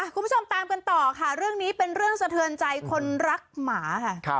คุณผู้ชมตามกันต่อค่ะเรื่องนี้เป็นเรื่องสะเทือนใจคนรักหมาค่ะ